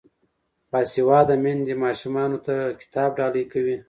باسواده میندې ماشومانو ته کتاب ډالۍ کوي.